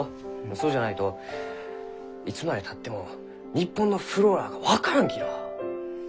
そうじゃないといつまでたっても日本のｆｌｏｒａが分からんきのう。